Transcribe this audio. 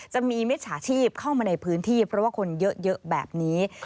มิจฉาชีพเข้ามาในพื้นที่เพราะว่าคนเยอะแบบนี้